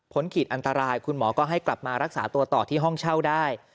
ขีดอันตรายคุณหมอก็ให้กลับมารักษาตัวต่อที่ห้องเช่าได้